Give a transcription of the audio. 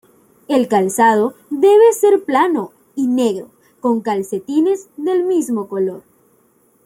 El calzado debe ser plano y negro con calcetines del mismo color.